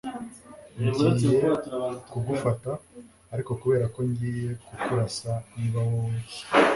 ngiye kugufata, ariko kubera ko ngiye kukurasa niba wowe